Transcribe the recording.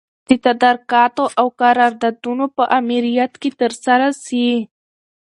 د تدارکاتو او قراردادونو په امریت کي ترسره سي.